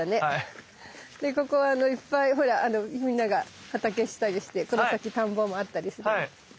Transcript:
でここいっぱいほらみんなが畑したりしてこの先田んぼもあったりするの。